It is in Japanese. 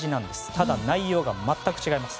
ただ、内容が全く違います。